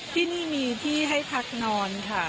ที่นี่มีที่ให้พักนอนค่ะ